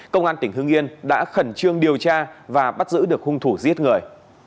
công an tỉnh hưng yên đã khẩn trương điều tra và bắt giữ được hung thủ giết người